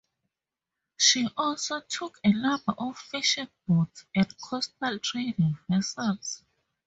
She also took a number of fishing boats and coastal trading vessels.